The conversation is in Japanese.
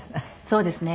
そうですね。